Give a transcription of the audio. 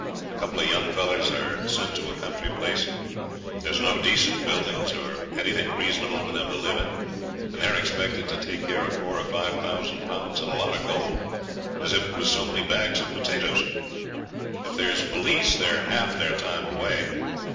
A couple of young fellows are sent to a country place; there's no decent buildings, or anything reasonable for them to live in, and they're expected to take care of four or five thousand pounds and a lot of gold, as if it was so many bags of potatoes. If there's police, they're half their time away.